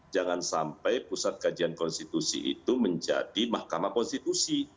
jangan sampai pusat kajian konstitusi itu menjadi mahkamah konstitusi